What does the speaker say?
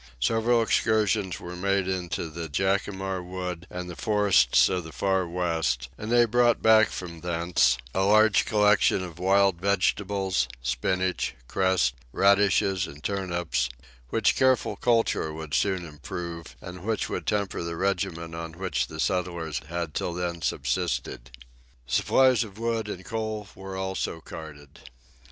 Several excursions were made into the Jacamar Wood and the forests of the Far West, and they brought back from thence a large collection of wild vegetables, spinach, cress, radishes, and turnips, which careful culture would soon improve, and which would temper the regimen on which the settlers had till then subsisted. Supplies of wood and coal were also carted.